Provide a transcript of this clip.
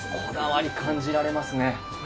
こだわり、感じられますね。